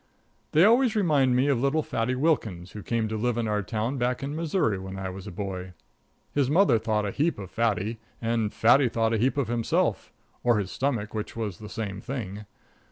_"] They always remind me of little Fatty Wilkins, who came to live in our town back in Missouri when I was a boy. His mother thought a heap of Fatty, and Fatty thought a heap of himself, or his stomach, which was the same thing.